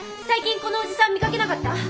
最近このおじさん見かけなかった？